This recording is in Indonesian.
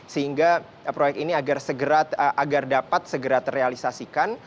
sehingga proyek ini agar dapat segera terrealisasikan